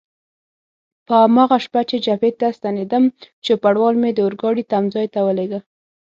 په هماغه شپه چې جبهې ته ستنېدم، چوپړوال مې د اورګاډي تمځای ته ولېږه.